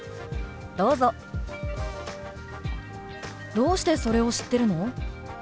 「どうしてそれを知ってるの？」。